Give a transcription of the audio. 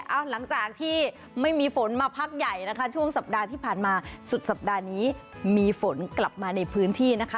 เอาหลังจากที่ไม่มีฝนมาพักใหญ่นะคะช่วงสัปดาห์ที่ผ่านมาสุดสัปดาห์นี้มีฝนกลับมาในพื้นที่นะคะ